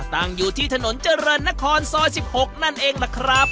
ตั้งอยู่ที่ถนนเจริญนครซอย๑๖นั่นเองล่ะครับ